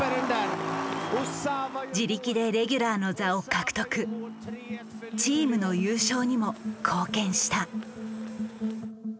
自力でレギュラーの座を獲得チームの優勝にも貢献した。